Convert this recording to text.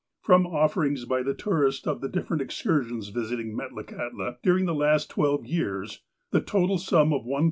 ) From offerings by tourists of the different excursions visiting Metlakahtla during the last twelve years, the total sum of $1,005.